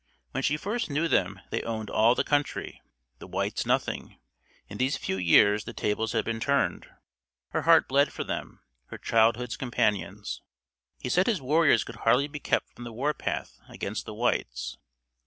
When she first knew them they owned all the country the whites nothing. In these few years the tables had been turned. Her heart bled for them, her childhood's companions. He said his warriors could hardly be kept from the warpath against the whites.